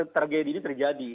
terjadi ini terjadi